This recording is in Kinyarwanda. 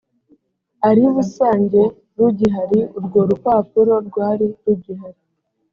ari busange rugihari urwo rupapuro rwari rugihari